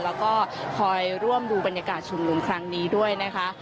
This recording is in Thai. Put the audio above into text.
แล้วก็คอยร่วมดูบรรยากาศชุมนุมครั้งนี้ด้วยนะคะ